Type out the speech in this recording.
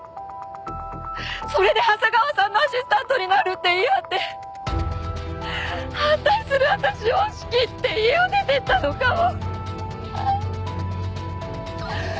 それで長谷川さんのアシスタントになるって言い張って反対する私を押し切って家を出て行ったのかも。